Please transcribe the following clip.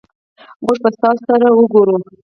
مونږ به ستاسو سره اوګورو